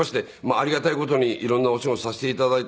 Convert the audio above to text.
ありがたい事に色んなお仕事をさせて頂いて。